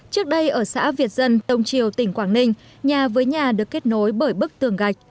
trước đây ở xã việt dân đông triều tỉnh quảng ninh nhà với nhà được kết nối bởi bức tường gạch